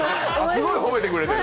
すごいほめてくれる。